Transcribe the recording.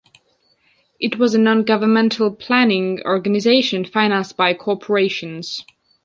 It was a non-governmental planning organisation financed by corporations.